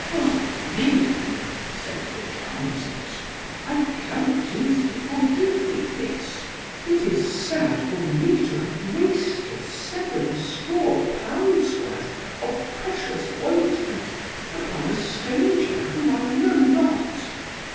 "Oh, maiden," said the Countess, "I cannot easily forgive thee this; it is sad for me to have wasted seven score pounds' worth of precious ointment, upon a stranger whom I know not.